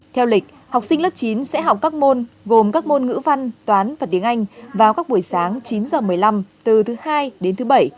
theo lịch học sinh lớp chín sẽ học các môn gồm các môn ngữ văn toán và tiếng anh vào các buổi sáng chín h một mươi năm từ thứ hai đến thứ bảy